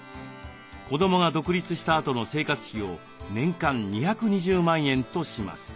子どもが独立したあとの生活費を年間２２０万円とします。